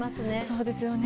そうですよね。